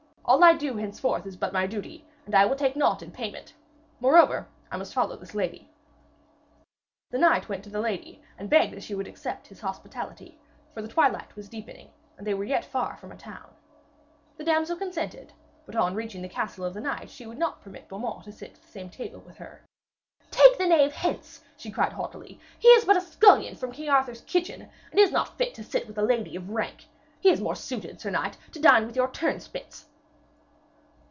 All I do henceforth is but my duty, and I will take naught in payment. Moreover, I must follow this lady.' The knight went to the lady, and begged that she would accept his hospitality, for the twilight was deepening and they were yet far from a town. The damsel consented, but, on reaching the castle of the knight, she would not permit Beaumains to sit at the same table with her. 'Take the knave hence!' she cried haughtily. 'He is but a scullion from King Arthur's kitchen, and is not fit to sit with a lady of rank. He is more suited, sir knight, to dine with your turnspits.'